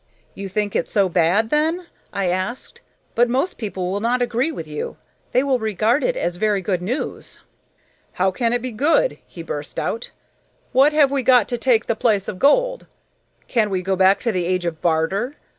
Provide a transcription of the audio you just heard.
"You think it so bad, then?" I asked. "But most people will not agree with you. They will regard it as very good news." "How can it be good?" he burst out. "What have we got to take the place of gold? Can we go back to the age of barter?